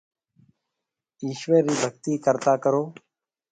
ايشوَر رِي ڀگتِي ڪرتا ڪرون۔